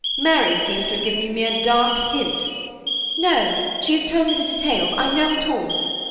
Mary seems to have given you mere dark hints—" "No; she has told me the details. I know it all."